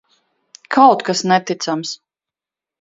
Kaut kas neticams!